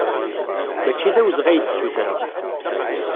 Maci d awezɣi ay d-ssutreɣ.